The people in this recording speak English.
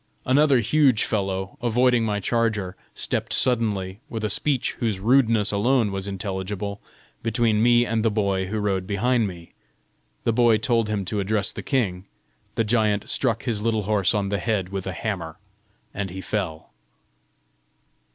Another huge fellow, avoiding my charger, stepped suddenly, with a speech whose rudeness alone was intelligible, between me and the boy who rode behind me. The boy told him to address the king; the giant struck his little horse on the head with a hammer, and he fell.